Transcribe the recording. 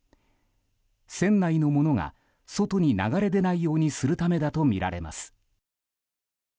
船内のものが外に流れ出ないようにするためだとみられます。